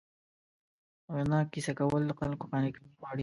اغېزناکه کیسه کول، د خلکو قانع کول غواړي.